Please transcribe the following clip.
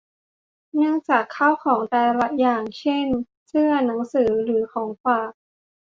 เนื่องจากข้าวของแต่ละอย่าง เช่น เสื้อ หนังสือ หรือของฝาก